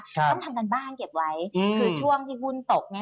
ต้องทำการบ้านเก็บไว้อืมคือช่วงที่หุ้นตกเนี้ย